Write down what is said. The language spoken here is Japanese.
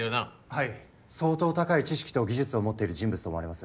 はい相当高い知識と技術を持っている人物と思われます。